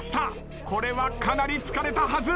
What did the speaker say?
これはかなり疲れたはず。